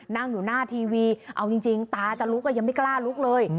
นั่งอยู่หน้าทีวีเอาจริงตาจะลุกก็ยังไม่กล้าลุกเลย